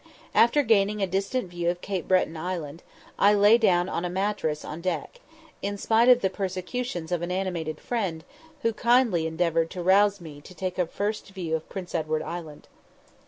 After gaining a distant view of Cape Breton Island, I lay down on a mattress on deck, in spite of the persecutions of an animated friend, who kindly endeavoured to rouse me to take a first view of Prince Edward Island.